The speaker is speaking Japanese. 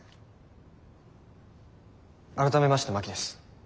改めまして真木です。